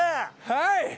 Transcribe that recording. はい！